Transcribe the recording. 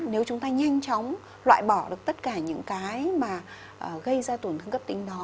nếu chúng ta nhanh chóng loại bỏ được tất cả những cái mà gây ra tổn thương cấp tính đó